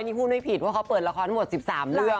นี่พูดไม่ผิดเพราะเขาเปิดละครทั้งหมด๑๓เรื่อง